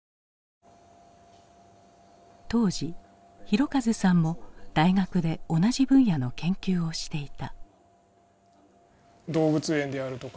当時広和さんも大学で同じ分野の研究をしていた。